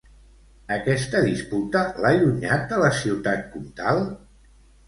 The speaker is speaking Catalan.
Aquesta disputa l'ha allunyat de la ciutat comtal?